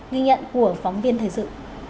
ghi nhận của phóng viên thời sự